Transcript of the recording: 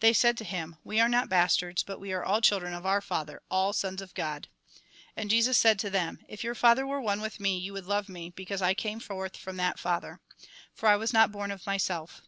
They said to him :" We are not bastards, but we are all children of our Father, all sons of God." And Jesus said to them :" If your father were one with me, you would love me, because I came forth from that Father. For I was not born of myself.